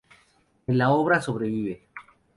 En la obra sobrevive.